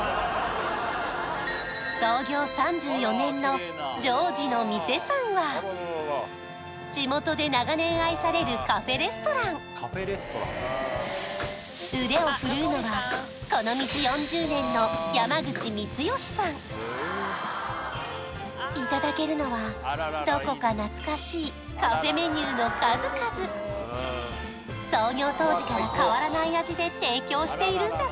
創業３４年のジョージの店さんは地元で長年愛されるカフェレストラン腕を振るうのはこの道４０年の山口光善さんいただけるのはどこか懐かしいカフェメニューの数々創業当時から変わらない味で提供しているんだ